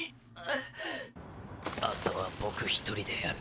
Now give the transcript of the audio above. あとは僕１人でやる。